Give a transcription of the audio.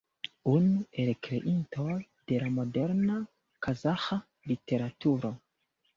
Unu el kreintoj de la moderna kazaĥa literaturo.